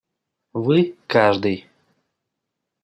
Вы – каждой!